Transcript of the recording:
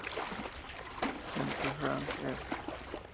Centre France ed.